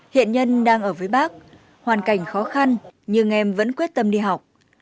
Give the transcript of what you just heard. hiện nhân đang ở với bác hoàn cảnh khó khăn nhưng em vẫn quyết tâm đi học